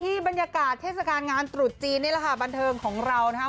บรรยากาศเทศกาลงานตรุษจีนนี่แหละค่ะบันเทิงของเรานะครับ